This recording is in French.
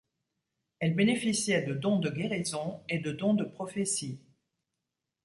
Elle bénéficiait de dons de guérison, et de dons de prophétie.